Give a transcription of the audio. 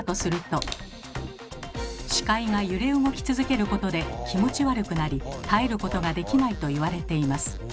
視界が揺れ動き続けることで気持ち悪くなり耐えることができないと言われています。